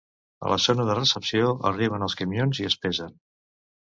A la zona de recepció arriben els camions i es pesen.